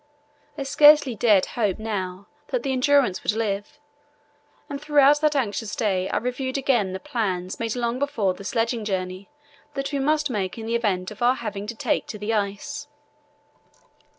I scarcely dared hope now that the Endurance would live, and throughout that anxious day I reviewed again the plans made long before for the sledging journey that we must make in the event of our having to take to the ice.